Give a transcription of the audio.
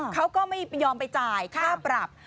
เขาก็ไม่ยอมไปจ่ายค่าปรับ